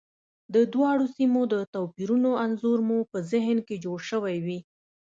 د دواړو سیمو د توپیرونو انځور مو په ذهن کې جوړ شوی وي.